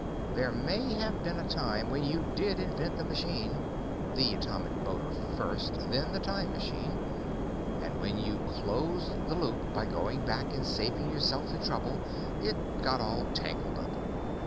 There may have been a time when you did invent the machine the atomic motor first, then the time machine. And when you closed the loop by going back and saving yourself the trouble, it got all tangled up.